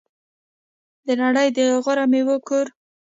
د نړۍ د غوره میوو کور.